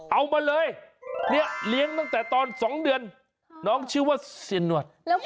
เอามาเลยเนี่ยเลี้ยงตั้งแต่ตอน๒เดือนน้องชื่อว่าเสียนวด